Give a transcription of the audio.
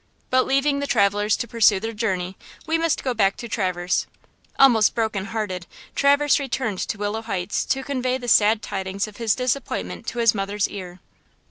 But leaving the travelers to pursue their journey, we must go back to Traverse. Almost broken hearted, Traverse returned to Willow Heights to convey the sad tidings of his disappointment to his mother's ear.